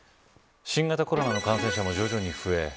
新型コロナ感染者も徐々に増え